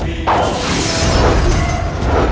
berharap anda akan pernah salahkan dua orang